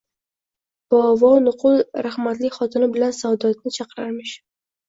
Bovo nuqul rahmatli xotini bilan Saodatni chaqirarmish